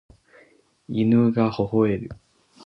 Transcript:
犬が吠える